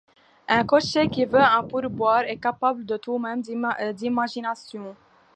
Un cocher qui veut un pourboire est capable de tout, même d’imagination.